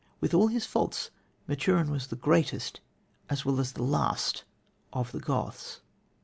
With all his faults Maturin was the greatest as well as the last of the Goths.